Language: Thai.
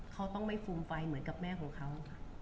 เขาต้องไม่ฟูมไฟเหมือนกับแม่ของเขา